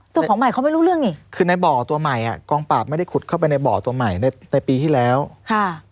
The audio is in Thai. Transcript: เจ้าของใหม่เขาไม่รู้เรื่องนี่คือในบ่อตัวใหม่อ่ะกองปราบไม่ได้ขุดเข้าไปในบ่อตัวใหม่ในในปีที่แล้วค่ะ